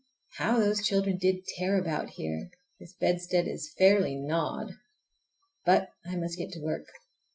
How those children did tear about here! This bedstead is fairly gnawed! But I must get to work.